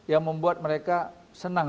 yang membuat mereka senang